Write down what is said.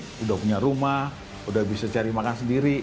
sudah punya rumah udah bisa cari makan sendiri